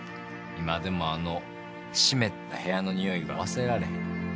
今でもあの湿った部屋のにおいが忘れられへん